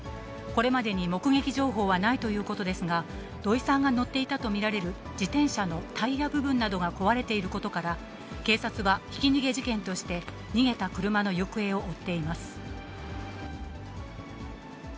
これまでに目撃情報はないということですが、土井さんが乗っていたと見られる自転車のタイヤ部分などが壊れていることから、警察はひき逃げ事件として逃げた車の行方を追っています。